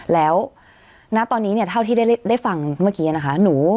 แล้วณตอนนี้เนี่ยเท่าที่ได้ฟังเมื่อกี้นะคะ